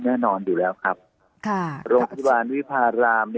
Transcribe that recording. แน่นอนอยู่แล้วครับโรงพยาบาลวิพาราม